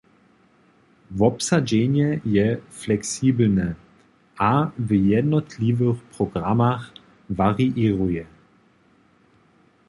Wobsadźenje je fleksibelne a w jednotliwych programach wariěruje.